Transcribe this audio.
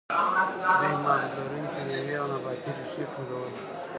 دوی مغز لرونکې میوې او نباتي ریښې ټولولې.